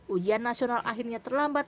ujian nasional akhirnya terlambat